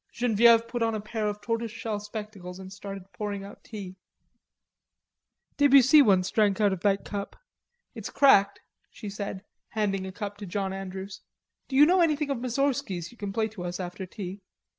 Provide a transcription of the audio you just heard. Genevieve put on a pair of tortoise shell spectacles and starting pouring out tea. "Debussy once drank out of that cup..... It's cracked," she said, handing a cup to John Andrews. "Do you know anything of Moussorgski's you can play to us after tea?"